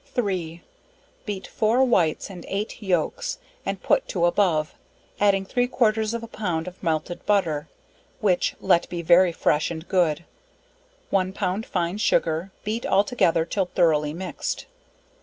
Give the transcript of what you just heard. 3. Beat four whites and eight yolks, and put to above, adding three quarters of a pound of melted butter, (which let be very fresh and good) one pound fine sugar, beat all together till thorougly mixed.